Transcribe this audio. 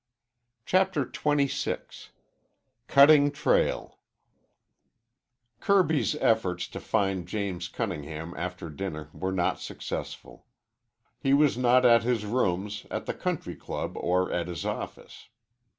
CHAPTER XXVI CUTTING TRAIL Kirby's efforts to find James Cunningham after dinner were not successful. He was not at his rooms, at the Country Club, or at his office.